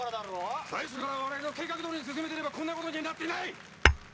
最初から我々の計画どおりに進めていればこんな事にはなっていない！